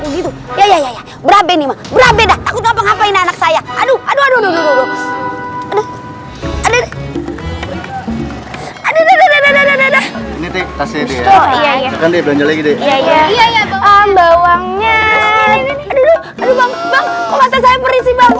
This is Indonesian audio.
untuk etukannya regus command nemo p empat